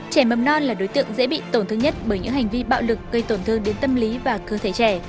trẻ mầm non là đối tượng dễ bị tổn thương nhất bởi những hành vi bạo lực gây tổn thương đến tâm lý và cơ thể trẻ